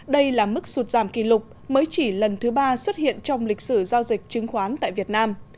đây là mức sụt giảm kỷ lục mới chỉ lần thứ ba xuất hiện trong lịch sử giao dịch chứng khoán tại việt nam